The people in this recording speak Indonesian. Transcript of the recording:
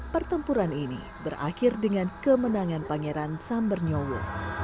pertempuran ini berakhir dengan kemenangan pangeran sambernyowo